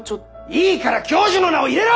いいから教授の名を入れろ！